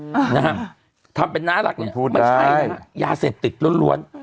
อืมนะฮะทำเป็นน่ารักเนี้ยพูดได้ไม่ใช่เนี้ยยาเสพติดร้อนร้อน